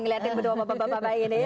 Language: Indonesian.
ngeliatin berdua bapak bapak bayi ini